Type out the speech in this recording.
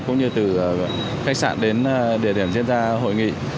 cũng như từ khách sạn đến địa điểm diễn ra hội nghị